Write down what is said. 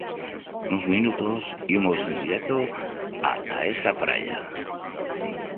Nuns minutos imos en directo ata esa praia.